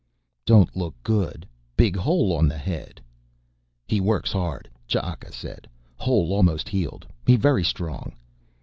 "Don't look good. Big hole on the head." "He works hard," Ch'aka said. "Hole almost healed. He very strong."